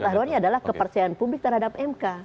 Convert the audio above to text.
nah pertahankan adalah kepercayaan publik terhadap mk